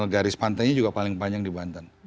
garis pantainya juga paling panjang di banten